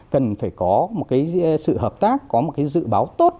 cần phải có một cái sự hợp tác có một cái dự báo tốt